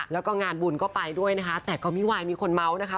แล้วก็งานบุญก็ไปด้วยนะคะแต่ก็ไม่วายมีคนเมาส์นะคะ